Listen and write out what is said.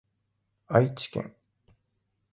愛知県